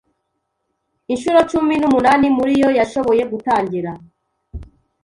inshuro cumi numunani muri yo yashoboye gutangira